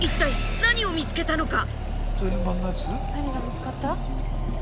何が見つかった？